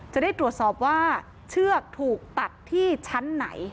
จะได้ตรวจสอบว่าเชือกถูกตัดที่ชั้นไหน